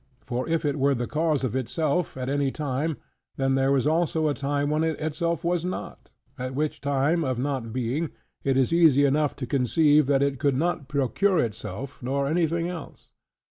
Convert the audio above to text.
For, if it were the cause of itself at any time; then there was also a time when itself was not: at which time of not being, it is easy enough to conceive, that it could neither procure itself, nor anything else.